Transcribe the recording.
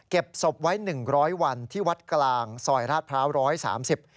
เก็บศพไว้๑๐๐วันที่วัดกลางซอยราชพร้าวที่๑๓๐